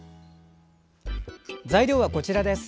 材料はこちらです。